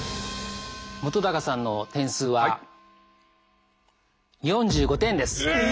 本さんの点数は４５点です。え！